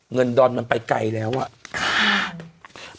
เงินดอนมันไปไกลแล้วคาด